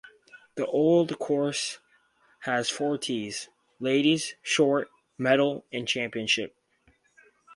The Old Course has four tees - "Ladies", "Short", "Medal" and "Championship".